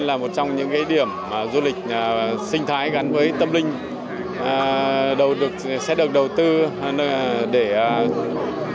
là một trong những gây điểm du lịch sinh thái gắn với tâm linh sẽ được đầu tư để tiếp tục